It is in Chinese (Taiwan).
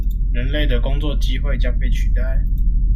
人類的工作機會將被取代？